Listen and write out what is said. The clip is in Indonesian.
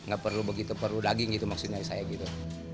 gak perlu begitu perlu daging gitu maksudnya saya gitu